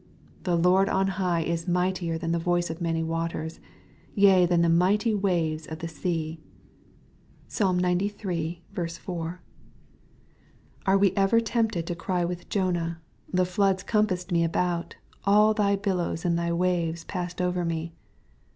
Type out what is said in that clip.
" The Lord on high is mightier than the ; voice of many waters, yea than the mighty waves of the i sea." (Psalm xciii. 4.) Are we ever tempted to cry. with Jonah, " the floods compassed me about : all thy billows and thy waves passed over me."